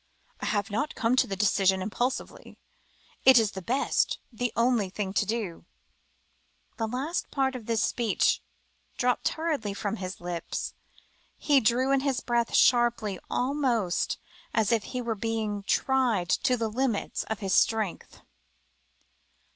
"I have not come to the decision impulsively. It is the best the only thing to do." The last part of the speech dropped hurriedly from his lips, he drew in his breath sharply, almost as if he were being tried to the limits of his strength.